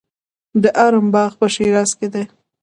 د ارم باغ په شیراز کې دی.